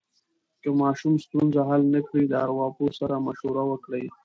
که ماشوم ستونزه حل نه کړي، د ارواپوه سره مشوره وکړئ.